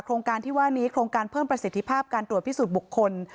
โครงการที่ว่านี้โครงการเพิ่มประสิทธิภาพการตรวจพิสูจน์บุคคล